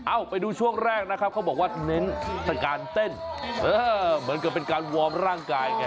ไปดูช่วงแรกนะครับเขาบอกว่าเน้นสการเต้นเออเหมือนกับเป็นการวอร์มร่างกายไง